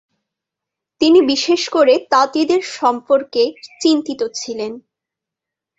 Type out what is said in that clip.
তিনি বিশেষ করে তাঁতিদের সম্পর্কে চিন্তিত ছিলেন।